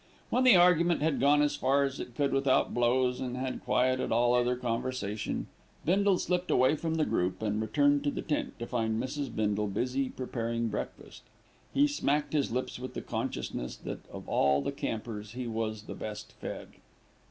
When the argument had gone as far as it could without blows, and had quieted all other conversation, Bindle slipped away from the group and returned to the tent to find Mrs. Bindle busy preparing breakfast. He smacked his lips with the consciousness that of all the campers he was the best fed.